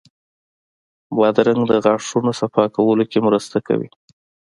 بادرنګ د غاښونو صفا کولو کې مرسته کوي.